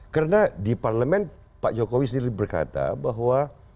karena di parlemen pak jokowi sendiri berkata bahwa